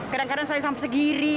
kadang kadang saya sampai segeri